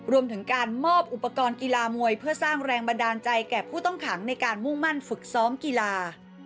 รวมถึงการมอบอุปกรณ์กีฬามวยเพื่อสร้างแรงบันดาลใจแก่ผู้ต้องขังในการมุ่งมั่นฝึกซ้อมกีฬา